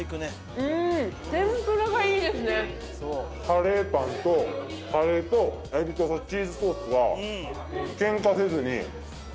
カレーパンとカレーとエビとチーズソースがケンカせずに。